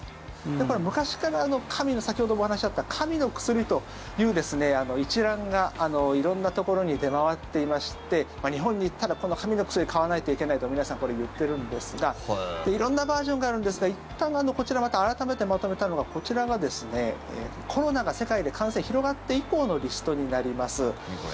これ、昔から先ほどもお話あった神の薬という一覧が色んなところに出回っていまして日本に行ったら、この神の薬買わないといけないと皆さん、言ってるんですが色んなバージョンがあるんですがいったん、こちらまた改めてまとめたのがこちらがですね、コロナが世界で感染広がって以降のリストになります。